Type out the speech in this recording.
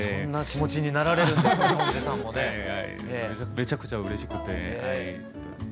めちゃくちゃうれしくて。